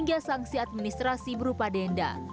mulai dari sanksi administrasi berupa denda